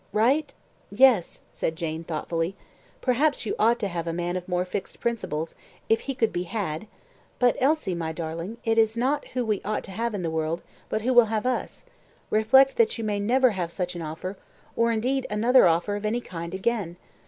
"Right? yes," said Jane, thoughtfully. "Perhaps you ought to have a man of more fixed principles, if he could be had. But Elsie, my darling, it is not who we ought to have in the world, but who will have us; reflect that you may never have such an offer, or, indeed, another offer of any kind, again.